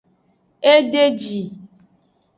Etedeji.